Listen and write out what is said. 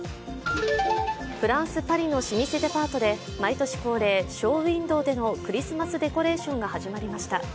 フランス・パリの老舗デパートで毎年恒例、ショーウインドーでのクリスマスデコレーションが始まりました。